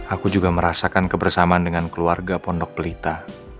aku juga merasakan kebersamaan dengan keluarga pondok pelita